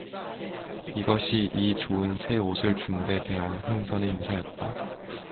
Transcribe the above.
이것이 이 좋은 새 옷을 준 데 대한 흥선의 인사였다.